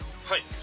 はい。